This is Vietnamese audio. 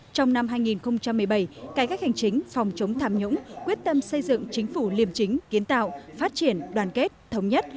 trong năm hai nghìn một mươi bảy cải cách hành chính phòng chống tham nhũng quyết tâm xây dựng chính phủ liêm chính kiến tạo phát triển đoàn kết thống nhất